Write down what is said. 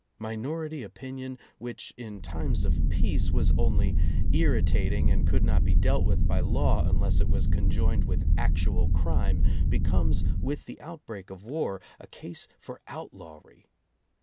Minority opinion, which in times of peace, was only irritating and could not be dealt with by law unless it was conjoined with actual crime, becomes, with the outbreak of war, a case for outlawry.